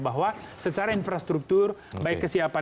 bahwa secara infrastruktur baik kesiapan dana maka